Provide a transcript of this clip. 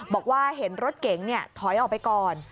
บอกว่าเห็นรถเก๋งถอยออกไปก่อน